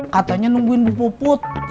katanya nungguin bu puput